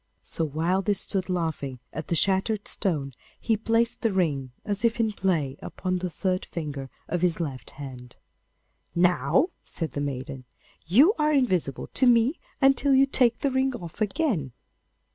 So while they stood laughing at the shattered stone he placed the ring, as if in play, upon the third finger of his left hand. 'Now,' said the maiden, 'you are invisible to me until you take the ring off again.